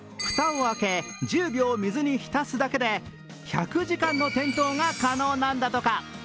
蓋を開け、１０秒水に浸すだけで１００時間の点灯が可能なんだとか。